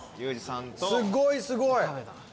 すごいすごい。